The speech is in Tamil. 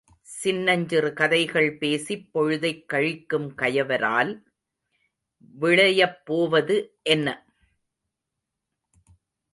சின்னஞ்சிறு கதைகள் பேசிப் பொழுதைக் கழிக்கும் கயவரால் விளையப் போவது என்ன?